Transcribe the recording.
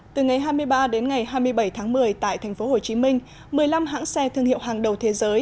từ ngày hai mươi ba đến ngày hai mươi bảy tháng một mươi tại thành phố hồ chí minh một mươi năm hãng xe thương hiệu hàng đầu thế giới